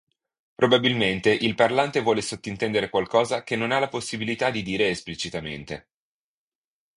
Probabilmente il parlante vuole sottintendere qualcosa che non ha la possibilità di dire esplicitamente.